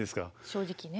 正直ね。